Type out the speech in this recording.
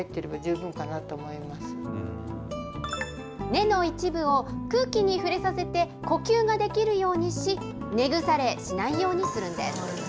根の一部を空気に触れさせて、呼吸ができるようにし、根腐れしないようにするんです。